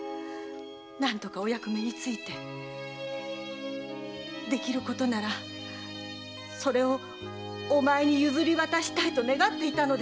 何とかお役目に就いてできることならそれをお前に譲り渡したいと願っていたのです。